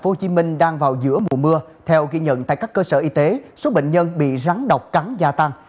tp hcm đang vào giữa mùa mưa theo ghi nhận tại các cơ sở y tế số bệnh nhân bị rắn độc cắn gia tăng